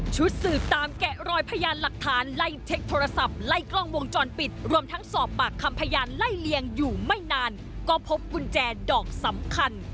ชุดสืบตามแกะรอยพยานหลักฐานไล่เช็คโทรศัพท์ไล่กล้องวงจรปิดรวมทั้งสอบปากคำพยานไล่เลียงอยู่ไม่นานก็พบกุญแจดอกสำคัญ